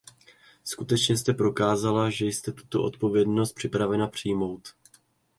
Skutečně jste prokázala, že jste tuto odpovědnost připravena přijmout.